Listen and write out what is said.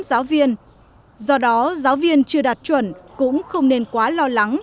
giáo viên do đó giáo viên chưa đạt chuẩn cũng không nên quá lo lắng